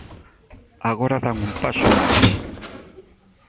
Agora dan un paso máis.